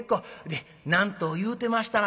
で何と言うてましたな？